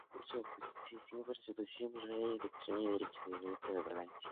Se distinguió por su oposición al blaverismo y la extrema derecha violenta de Valencia.